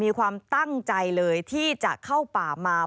มีความตั้งใจเลยที่จะเข้าป่ามา